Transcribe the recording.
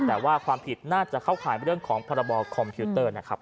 แต่ว่าความผิดน่าจะเข้าข่ายเรื่องของพรบคอมพิวเตอร์นะครับ